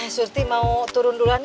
eh surti mau turun duluan ya